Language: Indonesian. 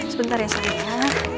sebentar ya sanya